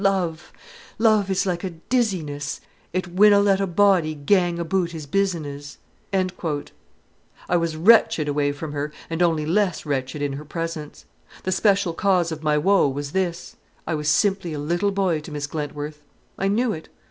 Love is like a dizziness, It winna let a body Gang aboot his business." I was wretched away from her, and only less wretched in her presence. The special cause of my woe was this: I was simply a little boy to Miss Glentworth. I knew it.